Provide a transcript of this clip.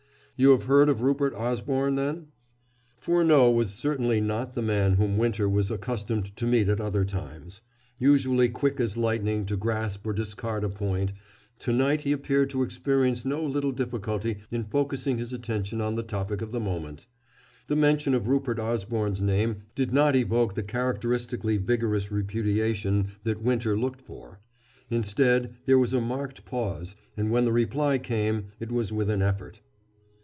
"You have heard of Rupert Osborne, then?" Furneaux was certainly not the man whom Winter was accustomed to meet at other times. Usually quick as lightning to grasp or discard a point, to night he appeared to experience no little difficulty in focusing his attention on the topic of the moment. The mention of Rupert Osborne's name did not evoke the characteristically vigorous repudiation that Winter looked for. Instead, there was a marked pause, and, when the reply came, it was with an effort.